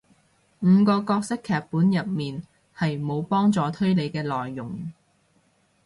五個角色劇本入面係無幫助推理嘅內容